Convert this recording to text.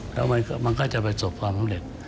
แล้วมันก็จะประสบความสำเร็จ